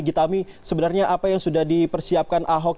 gitami sebenarnya apa yang sudah dipersiapkan ahok